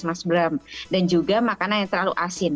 mas bram dan juga makanan yang terlalu asin